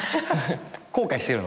後悔してるの？